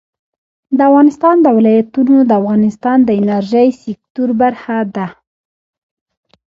د افغانستان ولايتونه د افغانستان د انرژۍ سکتور برخه ده.